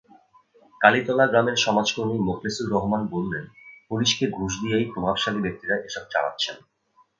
কালীতলা গ্রামের সমাজকর্মী মোখলেছুর রহমান বললেন, পুলিশকে ঘুষ দিয়েই প্রভাবশালী ব্যক্তিরা এসব চালাচ্ছেন।